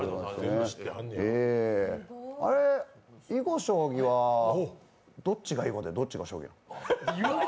あれ、囲碁将棋はどっちが囲碁でどっちが将棋なの？